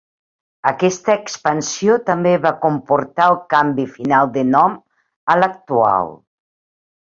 Aquesta expansió també va comportar el canvi final de nom a l'actual.